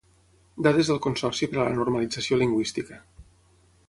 Dades del Consorci per a la Normalització Lingüística.